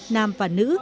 nam và nữ